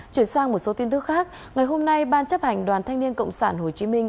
chuyển sang một số tin tức khác ngày hôm nay ban chấp hành đoàn thanh niên cộng sản hồ chí minh